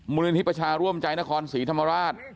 มูลนิธิประชาร่วมใจนครศรีธรรมราช